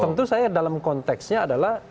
tentu saya dalam konteksnya adalah